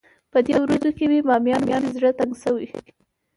په دې ورځو کې مې بامیانو پسې زړه تنګ شوی.